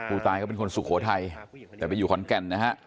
ผู้ตายก็เป็นคนสุโขทัยแต่ไปอยู่ขอนแก่นนะฮะ